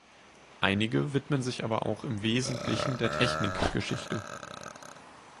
Einige widmen sich aber auch im Wesentlichen der Technikgeschichte.